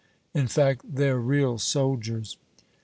'" "In fact, they're real soldiers."